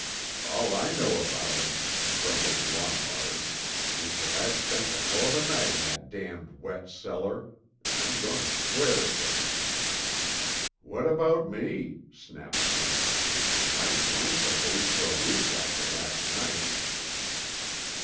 "All I know about him," grumbled Lombard, "is that I spent a hell of a night in that damned wet cellar, an' I'm goin' to square it with him." "What about me?" snapped Vince. "My joints'll ache fer a week after las' night."